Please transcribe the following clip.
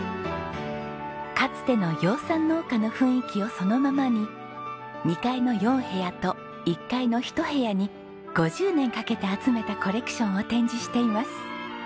かつての養蚕農家の雰囲気をそのままに２階の４部屋と１階のひと部屋に５０年かけて集めたコレクションを展示しています。